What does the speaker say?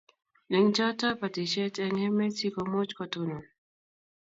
Eng chotok batishet eng' emet si komuch kotonon